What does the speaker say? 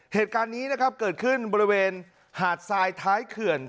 เหตุการณ์นี้นะครับเกิดขึ้นบริเวณหาดทรายท้ายเขื่อน